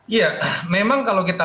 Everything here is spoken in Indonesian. iya memang kalau kita